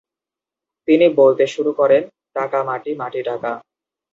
তিনি বলতে শুরু করেন “টাকা মাটি, মাটি টাকা”।